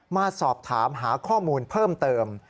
มาสอบถามหาข้อมูลเพิ่มเติม